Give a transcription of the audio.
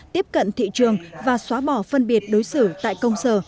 tiếp cận thị trường và xóa bỏ phân biệt đối xử tại công sở